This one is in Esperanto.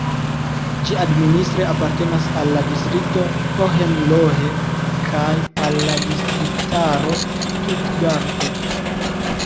Ĝi administre apartenas al la distrikto Hohenlohe kaj al la distriktaro Stutgarto.